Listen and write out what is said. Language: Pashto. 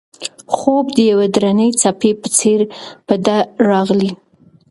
خوب د یوې درنې څپې په څېر په ده راغی.